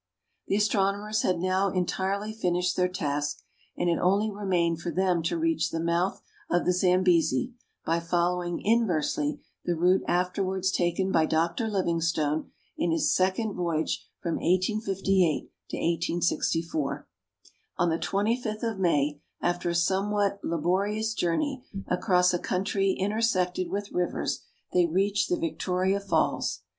•««•« The astronomers had now entirely finished their task, and it only remained for them to reach the mouth of the Zambesi, by following inversely the route afterwards taken by Dr. Livingstone in his second voyage from 1858 to 1864. On the 25th of May, after a somewhat laborious journey across a country intersected with rivers, they reached the Victoria Falls.